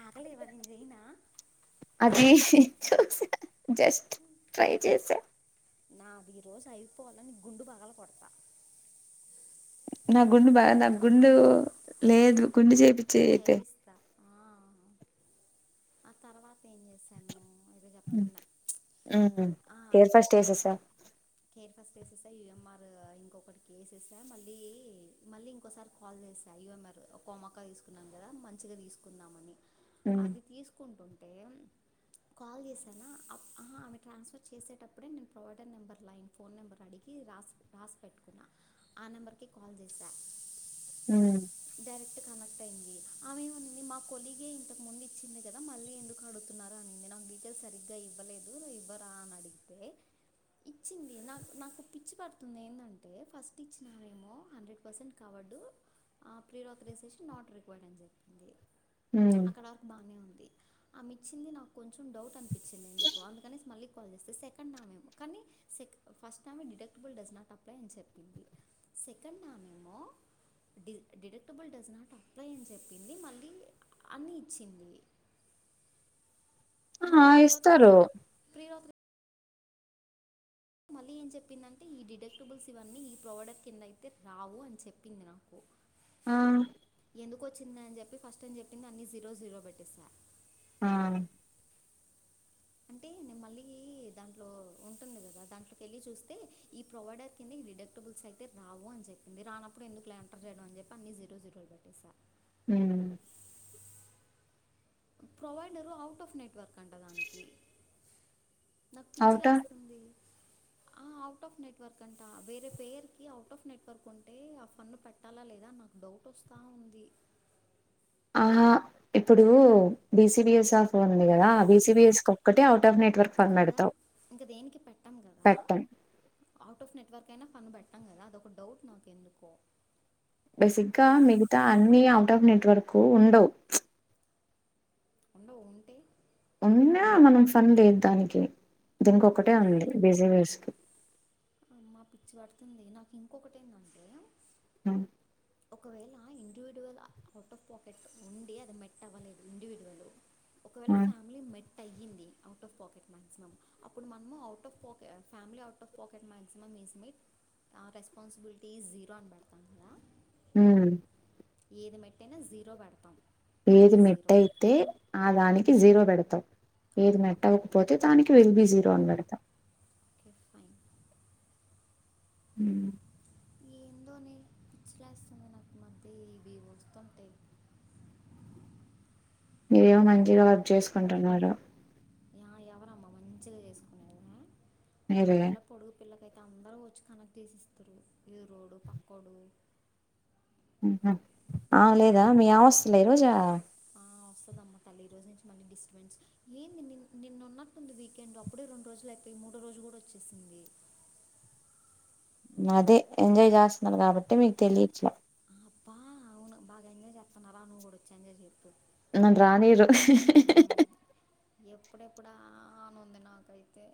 ఆకలేవా నేను చేయనా అది చూస జస్ట్ ట్రై చేస నాది ఈ రోజు అయిపోవాల నీ గుండు పగల కొడతా నా గుండు బాగా నా గుండు లేదు గుండు చేపి చేపిస్తా ఆ, ఆ తర్వాత ఏం చేసాను ఏదో చెప్తున్నా మ్మ్ ఆ హెయిర్ ఫస్ట్ ఏసేసా కే ఫస్ట్ ఏసేస యుఎంఆర్ ఇంకొకటి కేసేస మళ్ళీ మల్లి ఇంకోసారి కాల్ చేసా మరి ఒక్కో మొక్క తీసుకున్నాం కదా మంచిగా తీసుకుందామని మ్మ్ అది తీసుకుంటు కాల్ చేసాన ఆమె ట్రాన్స్ఫర్ చేసేటప్పుడే నేను provider number line phone number అడిగి కీ రాస్ రాసి పెట్టుకున్నా ఆ నెంబర్కి కాల్ చేసా హుమ్ అమె ఏమనింది మా కొలిగే ఇంతకు ముందు ఇచ్చింది కదా మళ్ళీ ఎందుకు అడుతున్నారు అనింది నాకు డీటెయిల్స్ సరిగ్గా ఇవ్వ లేదు ఇవ్వరా అని అడిగితే ఇచ్చింది నా నాకు పిచ్చి పడుతుంది ఏంటంటే ఫస్ట్ ఇచ్చినామేమో హండ్రెడ్ పర్సెంట్ కావ నాట్ రిక్వర్డ్ అని చెప్పింది మ్మ్ అక్కడ వరకు బానే ఉంది ఆమె ఇచ్చింది నాకు కొంచెం డౌట్ అనిపించింది ఎందుకు అందుకనే మళ్ళీ కాల్ చేస్తే సెకండ్ ఆమే కానీ సెక ఫస్ట్ ఆమె డిటెక్టబుల్ డజ్ నాట్ అప్లై అని చెప్పింది సెకండ్ ఆమేమో డిటెక్టబుల్ డస్నాట్ అప్లై అని చెప్పింది మళ్ళీ అన్ని ఇచ్చింది ఆ మళ్ళీ ప్రీ ఆథరైజ్ ఇస్తారు ప్రీ ఆథరైజ్ మళ్ళీ ఏం చెప్పిందంటే ఈ డిటక్టబుల్స్ ఇవన్నీ ఈ ప్రోడక్ట్ కిందైతే రావు అని చెప్పింది నాకు ఆ వచ్చింద అని చెప్పి ఫస్ట్ అని చెప్పింది అన్ని జీరో జీరో పెట్టిస్తా ఆ అంటే మళ్ళీ దాంట్లో ఉంటుంది కదా దాంట్లోకి వెళ్ళి చూస్తే ఈ ప్రొవైడర్ కింద రిడక్టబుల్స్ అయితే రావు అని చెప్పింది రానప్పుడు ఎందుకులే ఎంటర్ చేయడం అని చెప్పి అన్నిీ జీరో జీరోలు పెట్టేసా హ్మ్ ప్రొవైడరు ఔట్ ఆఫ్ నెట్వర్క్ అంట దానికి నాకు అవుట పిచ్చిలేస్తుంది ఆ అవుట్ ఆఫ్ నెట్వర్క్ అంటా వేరే పేరుకి అవుట్ ఆఫ్ నెట్వర్క్ ఉంటే ఆ ఫన్ను పెట్టాలా లేదా అని అను డౌట్ వస్తా ఉంది ఆహ ఇప్పుడు బిసిబిఎస్ ఆఫ్ ఉంది కదా బిసిబిఎస్ కి ఒక్కటే అ కాదా ఇంకా దేనికి పెట్టాం కదా పెట్టం అవుట్ ఆఫ్ నెట్వర్క్ నిన్న మనం పెట్టాం కదా అదొక డౌట్ నాకు ఎందుకో బేసిక్గా మిగతా అన్ని అవుట్ ఆఫ్ నెట్వర్క్ ఉండవు ఉండవు ఉంటే ఉన్నా మనం ఫన్ లేదు దానికి దీనికి ఒక్కటే ఉంది బిజీవర్స్ కి ఆ పిచ్చి పడుతుంది నాకు ఇంకొకటి ఏంటంటే [unintelligible] ఒకవేళ ఇండివిడువల్ అవుట్ ఆఫ్ పాకెట్ ఉండి అది మెట్ అవ్వలేదు ఇండివిడువల్ ఒకవేళ ఆ! ఫ్యామిలీ మే అయ్యంది అవుట్ ఆఫ్ పాకెట్ మాక్సిమం అప్పుడు మనము out of pocket family out of pocket maximum మస్మిట్ ఆ రెస్పాన్సిబిలిటీస్ జీరో అని పెడతా కదా ఉ ఏది మెట్టయినా జీరో పెడతాం ఈ ఏది మెట్ జీరో అయితే ఆ దాని జీరో పెడతాం ఏది ఓకే మెట్టవకపోతే దానికి విల్ బి జీరో అని పెడతాం ఓకే ఫైన్ హు ఏందోనే ఇచ్చలేస్తుంది నాకు మధ్య ఇవి వస్తుంటే మీరేమో మంచి వర్క్ చేసుకుంటున్నారు యా ఎవరు అమ్మ మంచిగా చేసుకునేది ఆ మీరే పిల్ల పొడుగు పిల్లకైతే అ అందరు వచ్చి కనక్ తీసి ఇస్తారు ఎ రోడు పక్కోడు ఉహు అ లేదా మీ ఆవస్థలే రోజా వస్తుదమ్మా తల్లి ఈ రోజు నుంచి మళీ డిస్టబెన్స్ ఏ నిన్న ఉన్నట్టుంది వీకెండ్ అప్పుడే రెండు రోజు లేకపోతే మూడో రోజు కూడా వచ్చేసింది అదే ఎంజాయ్ చేస్తున్నారు కాబట్టి మీకు తెలియట్లే బా అవును బాగా ఎంజాయ్ చెత్తన్నారా నువ్వు కూడా వచ్చా ఎంజాయ్ చెప్పు నన్ను రానీరు ఎప్పుడెప్పుడానుంది నాకైతే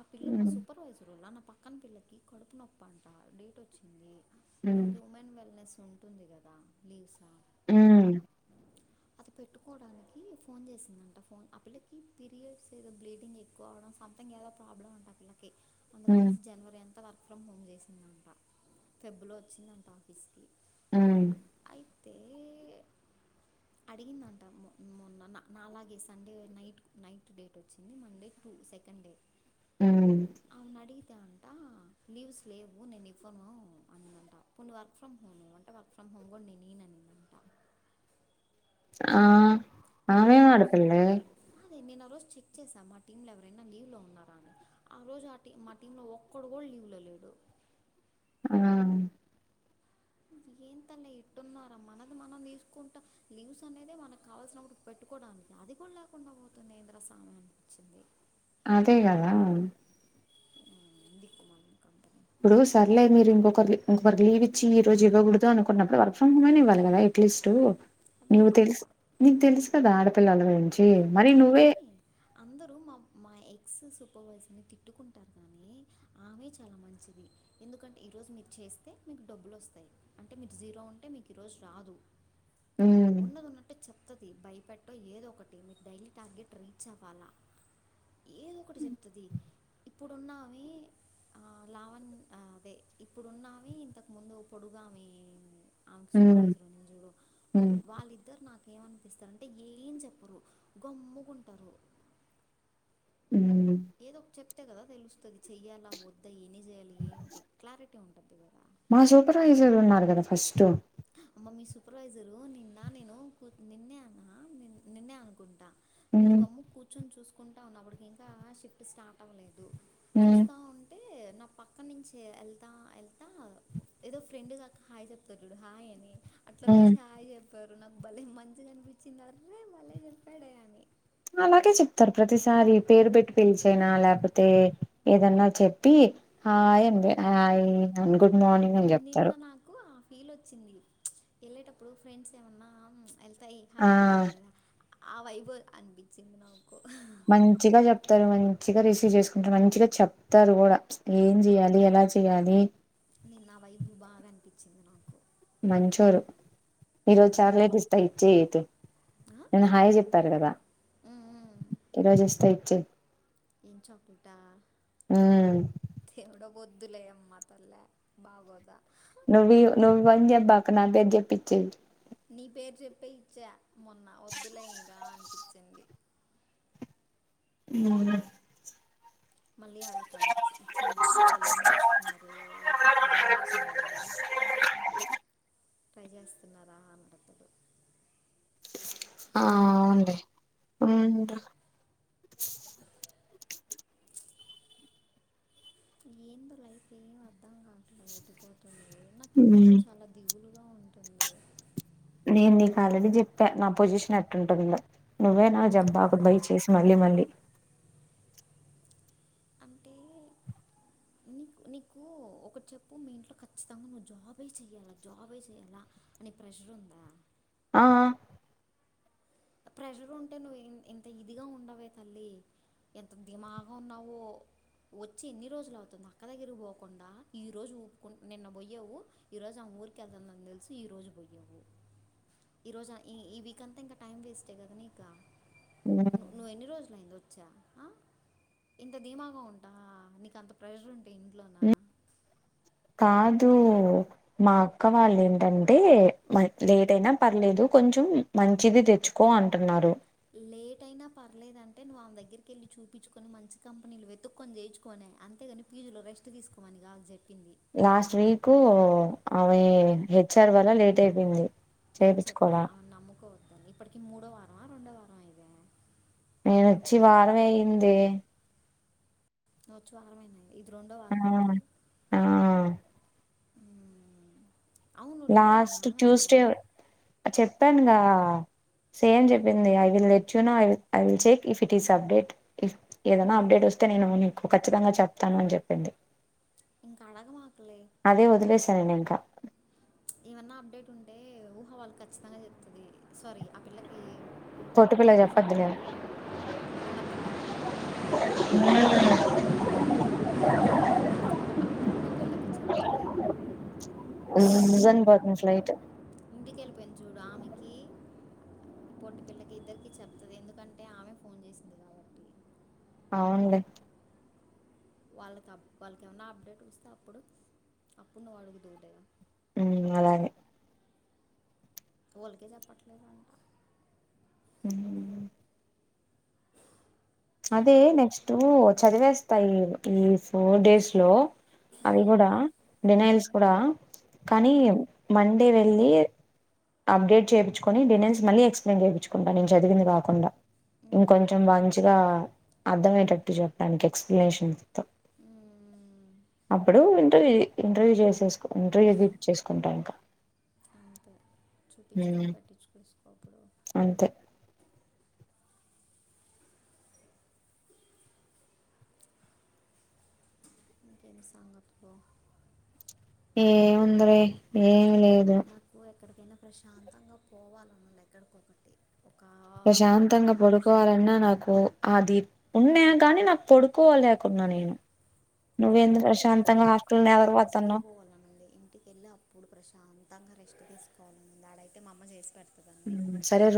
ఆ పిల్ల మా హ్మ్ సూపర్వైజర్ వాళ్ళ నా పక్కన పిల్లకి కడుపు నొప్పంట డేట్ వచ్చింది హ్మ్ మనకి ఉమెన్ వెల్నెస్ ఉంటుంది కదా లీవ్స్ ఉ పెట్టుకోవడానికి ఫోన్ చేసిందంట ఫోన్ ఆ పిల్లకి పీరియడ్స్ ఏదో బ్లీడింగ్ ఎక్కువ అవడం సంథింగ్ దో ప్రాబ్లం ఉంటది పిల్లకి అందుకనే హ్మ్ జనవరి అంత అత్త వర్క్ ఫ్రమ్ హోమ్ చేసిందంట ఫిబులో వచ్చిందంట ఆఫీస్కి హ్మ్ అయితే ఐ మొన్న నలాగే సండే నైట్ నైట్ డేట్ వచ్చింది మండే టూ సెకండ్ డే ఉ ఆమెను అడిగితే అంట లీవ్స్ లేవు నేను ఇవ్వను అన్న అంట ఇప్పుడు వర్క్ ఫ్రమ్ హోమ్ అంటే వర్క్ ఫ్రమ్ హోమ్ కూడా నేను ఈయననిందంట ఆ నేను ఆమెం ఆ రోజు ఆడపిల్లే అదే నేను రోజు చె ఇచ్చేసా మా టీం లో ఎవరైనా లీవ్ లో ఉన్నారా అని ఆ రోజు ఆ టీ మా టీం లో ఒక్కడు కూడా లీవ్ లో లేడు ఆ ఏ తల్ ఇట్టున్నార మనది మనం తీసుకుంటా లీవ్స్ అనేదే మనకు కావల్సినప్పుడు పెట్టుకోవడానికి అది కూడా లేకుండా పోతుంది ఎంద్ర సామి అనిపించింది అదే కదా ఉమ్, దిక్కు మన కంపెనీ ఇప్పుడు సర్లేదు మీరు ఇంకొకరు ఇకొకరు వ్ ఇచ్చ ఈ రజు ఇవ్వకూడదు అనుకున్నప్పుడు వర్క్ ఫ్రమ్ హోమ్ అన్న ఇవ్వాలి కదా అట్లీస్టు అది నువ్వు కూడా ఇవ్వాల తెలుసు నీకు తెలుసు కదా ఆడపిల్లల గురించి మరి కానీ నువ్వే ూ తిట్కు ఆమె చాల మంచి ఎందుక మీ వేస్తే మీకు డబ్బులు వస్తాయి అంటే మీకు జీరో ఉంటే మీకు ఈరోజు రాదు హ్మ్ ఉన్నదున్నట్టు చెప్తది భయపెట్టో ఏదో ఒకటి డైలీ టార్గెట్ రీచ్ అవ్వాలా ఏదో ఒకటి చెప్తుంది ఇప్పుడున్నావి ఆ లావణ అదే ఇప్పుడున్నావి ఇంతకు ముందు పొడుగామి ఆమెకు హ్మ్ సూపర్వైజర్ ని చూడు హ్మ్ వాళ్ళిద్దరు నాక ఏమనిపిస్తారంటే ఏం చెప్పరు గమ్ముకుంటారు హ్మ్ ఏదో ఒక చెప్తే కదా తెలుస్తుంది చెయ్యాలా వద్ద ఎన్ని చేయాలి ఏంటి క్లారిటీ ఉంటుది కదా మా సూపర్వైజర్ ఉన్నారు కదా ఫస్ట్ మీ సూపర్వైజరు నిన్న నేను నిన్నే అ నిన్నే అనుకుంటా నేను హ్మ్ కూర్చొని చూసుకుంటున్నప్పటికీ ఇంకా షిఫ్ట్ స్టార్ట్ అవ్వలేదు హ్మ్ చూస్తా ఉంటే నా పక్క నుంచి వెళ్తా వెళ్తా ఏదో ఫ్రెండ్ కాక హాయ్ చెప్తారు చూడు హాయ్ అని [inaudible] అట్లా పిలిచి హాయి చెప్పారు నాకు భలే మంచిగా అనిపించింది అరే బాలే చెప్పాడే అని అలాగే చెప్తారు ప్రతిసారి పేరు పెట్టి పిలిచనా లేకపోతే ఏదన్నా చెప్పి హాయ్ అంది హాయ్ గుడ్ మార్నింగ్ అని నిన్న చెప్తారు నాకు ఆ ఫీల్ వచ్చింది వెళ్ళేటప్పుడు ఫ్రెండ్స్ ఏమన్నా వెళ్తాయి హాయ్ ఆ అంటారు కదా ఆ వైబ్బు అనిపించింది నాకు మంచిగా చెప్తారు మంచిగా రిసీవ్ చేసుకుంటారు మంచిగా చెప్తారు కూడా ఏం చెయ్యాలి ఎలా చెయాలి నిన్న వైబు బాగా అనిపించింది నాకు మంచోరు ఈరోజు మ్మ్. చాక్లెట్ ఇస్తా ఇచ్చేయి ఐతే ఆ? నిన్న హాయ చెప్పారు కదా ఇరోజు ఇస్తే ఇచ్చేయి ఎం చక్లేటా ఉమ్ దేవుడో వద్దులే అమ్మ అట్లా బాగోద నువి నువ్వు అని జెప్పకు నా పేరు చెప్పిచెయ్ నీ పేరు చెప్పే ఇచ్చా మొన్న వద్దులే ఇంకా అనిపించింది [inaudible] హ్మ్మ్ మళ్ళీ ఆడతడ ఇచ్చాను అనుకో వాళ్ళు ఏం చేస్తున్నారు జాబ్ వచ్చిందా [inaudible] ట్రై చేస్తన్నార అంటాడు ఆ అవుండి ఉ ఏందో లైఫ్ ఏం అర్ధం కాట్లా ఎటు పోతుందో నాకు ఎందుకో చాలా దిగులు నేను నీకు ఆల్రెడీ చెప్పా నా పొజిషన్ ఎట్ంటుందో నువ్వే నాకు జబ్బాకు బయ చేసి మళ్ళీ మళ్లీ అంటే [inaudible] నీకు ఒకటి చెప్పు మీ ఇంట్లో ఖచ్చితంగా నువ్వు జాబే చెయాలా జాబే చేయాలా అని ప్రెషర్ ఉందా ఆ ప్రెజర్ ఉంటే నువ్వు ఇంత ఇదిగా ఉండవే తల్లి ఎంత దిమాగా ఉన్నావో వచ్చి ఎన్ని రోజులు అవుతుంది అక్క దగ్గరకి పోకుండా ఈ రోజు ఊపుకు నిన్న బొయ్యవు ఈ రోజు అ ఊరికెళ్తంది అని తెలుసు ఈ రోజు పోయయావు ఈ రోజు ఈ వీక్ అంతా ఇ టైమ్ వేస్ నీకా ఆ నువు నువ్వు ఎన్ని రోజులు అయింద వచ్చా ఇంత ధీమాగా ఉంటా నీక అంత ప్రెషర్ ఉంటే ఇంట్లోన కాదు మా అక్క వాళ్ళు ఏంటంటే లేట్ అయినా పర్లేదు కొంచెం మంచిది దెచ్చుకో అంటున్నారు లేట్ అయినా పర్లేదుదంటే నువ్వు ఆమె దగ్గరికి వెళ్ళి చూపిచ్చుకొని మంచి కంపెనీలు వెత్తుకొని జేయిచ్చుకో అన అంతేగాని పీజీలో రెస్ట్ దీసుకోమని గాదు జెప్పింది లాస్ట్ వీకు ఆమే హెచ్ఆర్ వల్ల లేట్ అయిపేయింది నేను చెప్పా ఆమని నమ్ముకోవద్దాని ఇప్పటికి మూడో వారమా రెండో వారమా ఇది నేనొచ్చి వారమే అయ్యిందే నువొచ్చి వారమైందా ఇది రెండో వార ఆ మైతే ఆ అవును రిప్లై ఇలా లాస్ట్ ఆమె ట్యూస్డే చెప్పానుగా సేమ్ చెప్పింది I will let you I I will check if it is update ఏదైనా అప్డేట్ వొస్ స్తే నేను నీకు ఖచ్చితంగా చెప్తాను అని జెప్పింది ఇంక అడగమా అదే వదిలేసా నేనింకా ఏమన్నా అప్డేట్ ఉంటే ఊహ వాళ్ళుకు ఖచ్చితంగా జెప్తది సారీ ఆ పిల్లకి పొట్టు పిల్ల కొంచం [inaudible] చెప్పొద్దులే పిల్లకి చెప్తుంది ఊ అని బొతుంది ఫ్లైటు జూడు ఆమెకి పొట్టి పిల్లకి ఇద్దరికిీ చెప్తది ఎందుకంటే ఆమె ఫోన్ జేసింది కాబట్టి అవుండ్లే వాళ్ళకి అబ్ వాళ్ళకి ఏమన్నా అప్డేట్ వస్తే అప్పుడు అప్పుడు నువ్వు అడుగుదువు లే ఉమ్ అలాగే వోల్లకి జెప్పట్లేదు అంట ఊ అదే నాకు నెక్స్టు చదివేస్తా ఈ ఫోర్ డేస్ లో అవి కూడా మ్మ్, డినైల్స్ కుడా కానీ మండే వెళ్ళి అప్డేట్ చేపిచ్చుకొని డీనైల్స్ ఎక్స్ప్లెయిన్ జేబిచ్చుకుంటా నేను చదివింది కాకుండా ఇంకొంచెం మ్మ్, మంచిగా అర్దమయేటట్టు చెప్పడానికి ఎక్స్ప్లనేషన్స్ తో మ్మ్, అబ్బుడు అంటే ఇంటర్వ్యూ జేసేస్ ఇంటర్వ్యూ ఏదీపిచ్చేసుకుంటా ఇంకా చురపిచ్చుకొని మ్మ్ పెట్టిచ్చేసేసుకో అప్పుడు అంతే ఇంకేమి సంగతులు ఏముంద్రె ఏమ్ లేదు నాకు ఎక్కడికైనా ప్రశాంతంగా పోవాలనుంది ఎక్కడికొ ఒకటి ప్రశాంతంగా పడుకోవాలన్నా నాకు ఆది ఉన్యా కానీ నాకు పొడుకోవలేకున్నా నేను నువ్వేంది ఇంటికెళ్ళి ప్రశాంతంగా హాస్టల్ నాకు మా నెవరు ఇంటికే పోతున్నావ్ పోవాలనుంది ఇంటికెళ్ళి అప్పుడు ప్రశాం తంగ్ రెస్టు దీసుకోవాలి అనుంది ఆడైతే మా మామ్మ జేసి పెడ్ ఉమ్ సరే రొ